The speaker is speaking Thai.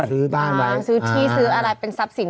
ซื้อบ้านไว้ซื้อที่ซื้ออะไรเป็นทรัพย์สิน